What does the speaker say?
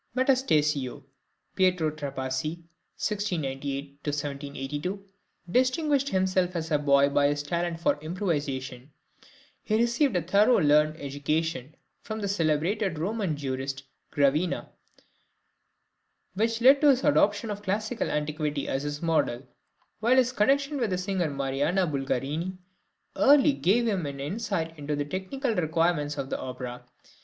Metastasio (Pietro Trapassi, 1698 1782) distinguished himself as a boy by his talent for improvisation; he received a thorough learned education from the celebrated Roman {METASTASIO.} (169) jurist Gravina, which led to his adoption of classical antiquity as his model; while his connection with the singer Marianna Bulgarini early gave him an insight into the technical requirements of the opera.